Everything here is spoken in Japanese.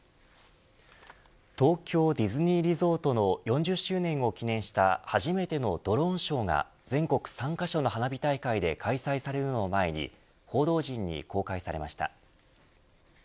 東京ディズニーリゾートの４０周年を記念した初めてのドローンショーが全国３カ所の花火大会で開催されるのを前に報道陣に公開されました。